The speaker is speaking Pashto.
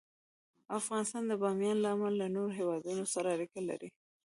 افغانستان د بامیان له امله له نورو هېوادونو سره اړیکې لري.